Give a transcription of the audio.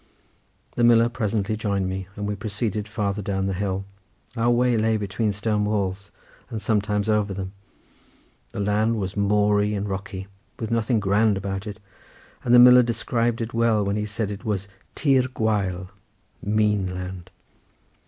The miller presently joined me, and we proceeded farther down the hill. Our way lay between stone walls, and sometimes over them. The land was moory and rocky, with nothing grand about it, and the miller described it well when he said it was tîr gwael—mean land.